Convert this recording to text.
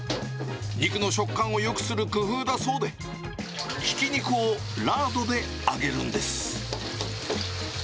肉の食感をよくする工夫だそうで、ひき肉をラードで揚げるんです。